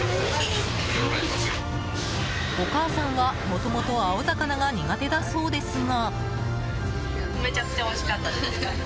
お母さんは、もともと青魚が苦手だそうですが。